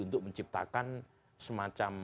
untuk menciptakan semacam